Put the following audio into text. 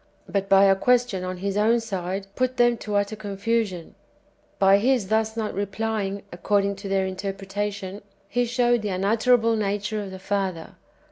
"^ but by a question on His own side, put them to utter confusion ; by His thus not replying, according to their interpretation, He showed the unutterable nature of the Father.